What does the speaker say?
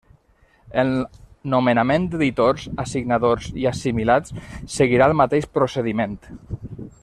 El nomenament d'editors, assignadors i assimilats seguirà el mateix procediment.